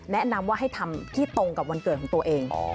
แนะนำว่าให้ทำที่ตรงกับวันเกิดของตัวเอง